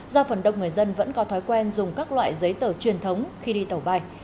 do phần đông người dân vẫn có thói quen dùng các loại giấy tờ truyền thống khi đi tàu bay